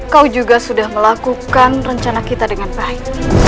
kau juga sudah melakukan rencana kita dengan baik